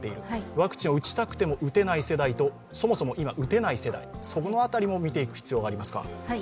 ワクチンを打ちたくても打てない世代と、そもそも打てない世代、そこのあたりも見ていく必要がありますか。